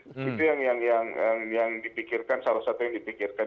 itu yang yang yang yang yang dipikirkan salah satu yang dipikirkan